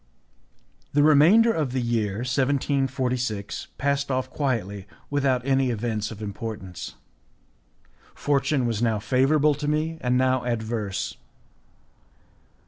The remainder of the year 1746 passed off quietly, without any events of importance. Fortune was now favourable to me and now adverse.